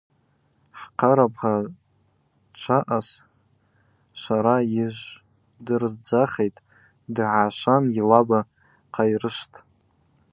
Хӏкъарабгъа дшаъаз швара йыжвдырдзахитӏ – дгӏашван йлаба кӏайрышвтӏ.